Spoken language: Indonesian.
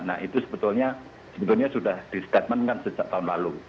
nah itu sebetulnya sebetulnya sudah disetapkan kan sejak tahun lalu